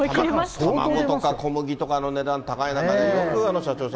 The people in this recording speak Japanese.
卵とか小麦とかの値段高い中で、よくあの社長さん。